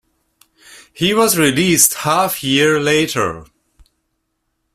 He was released half year later.